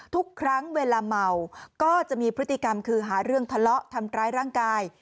ทุกครั้งเวลาเมาก็จะมีพฤติกรรมคือหาเรื่องทะเลาะทำร้ายร่างกาย